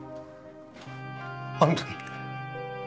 あの時？